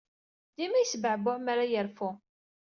Dima yesbeɛbuɛ mi ara yerfu.